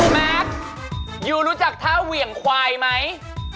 แมทยูรู้จักท่าเหวี่ยงควายไหม